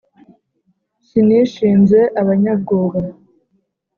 Sinishinze abanyabwoba